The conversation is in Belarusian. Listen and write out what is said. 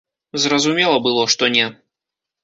Зразумела было, што не.